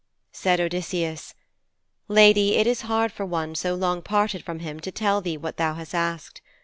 Said Odysseus, 'Lady, it is hard for one so long parted from him to tell thee what thou hast asked.